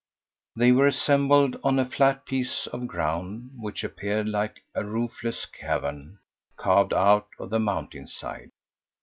They were assembled on a flat piece of ground which appeared like a roofless cavern carved out of the mountain side.